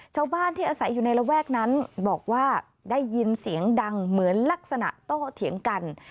ชาวบ้านที่อาศัยอยู่ในระแวกนั้นบอกว่าได้ยินเสียงดังเหมือนลักษณะโตเถียงกัน